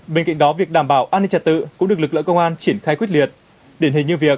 bên cạnh đó việc đảm bảo an ninh trật tự